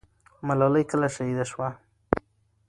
ملالۍ کله شهیده سوه؟